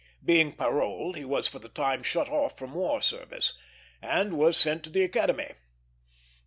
Being paroled, he was for the time shut off from war service, and was sent to the Academy.